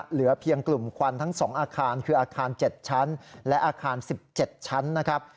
เหลือเพียงกลุ่มควันทั้ง๒อาคารคืออาคาร๗ชั้นและอาคาร๑๗ชั้นนะครับ